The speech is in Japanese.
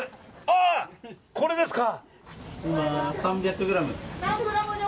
これですか！